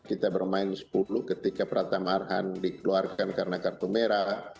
kita bermain sepuluh ketika pratama arhan dikeluarkan karena kartu merah